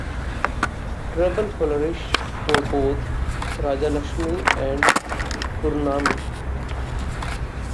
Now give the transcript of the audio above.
Trouble flourish for both Rajalakshmi and Pournami.